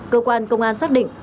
cơ quan công an xác định